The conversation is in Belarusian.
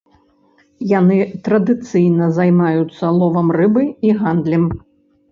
Яны традыцыйна займаюцца ловам рыбы і гандлем.